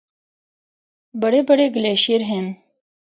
بڑے بڑے گلیشیر ہن۔